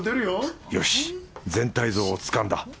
よし全体像をつかんだ。